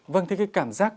vâng thì cái cảm giác